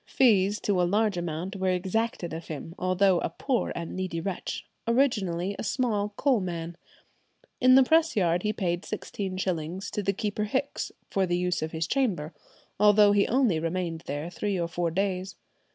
Fees to a large amount were exacted of him, although a poor and needy wretch, "originally a small coal man." In the press yard he paid 16_s._ to the keeper Hicks for the use of his chamber, although he only remained there three or four days.